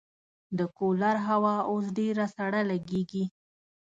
د کولر هوا اوس ډېره سړه لګېږي.